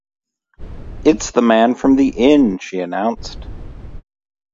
"It's the man from the inn," she announced.